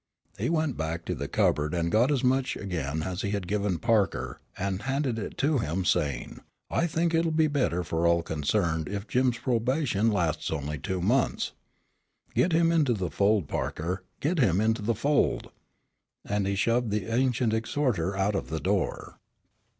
He went back to the cupboard and got as much again as he had given Parker, and handed it to him saying, "I think it will be better for all concerned if Jim's probation only lasts two months. Get him into the fold, Parker, get him into the fold!" And he shoved the ancient exhorter out of the door.